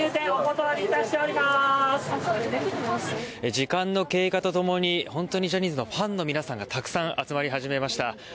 時間の経過とともに本当にジャニーズのファンの皆さんが大勢集まり始めました。